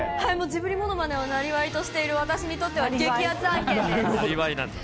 ジブリものまねをなりわいとしている私にとっては激アツ案件なりわいなんだ。